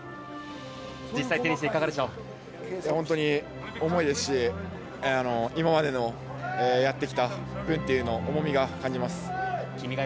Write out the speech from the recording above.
本当に重いですし、今までのやってきた５年というのの重みを感じます。